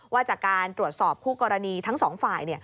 ว่าจากการตรวจสอบคู่กรณีทั้งสองฝ่าย